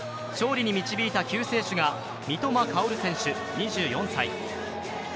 勝利に導いた救世主が三笘薫選手、２４歳。